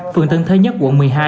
phường tân thế nhất quận một mươi hai